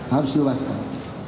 harus di lewaskan